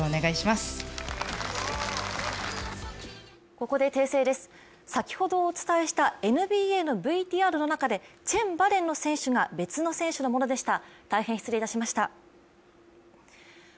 ここで訂正です、先ほどお伝えしたＮＢＡのＶＴＲの中でチェンバレンの選手のものが別の選手のものでした。